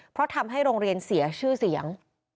เพราะทำให้โรงเรียนเสียชื่อเสียง